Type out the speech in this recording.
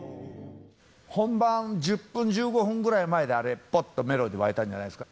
本番１０分、１５分ぐらい前で、あれ、ぽっとメロディー湧いたんじゃないですか？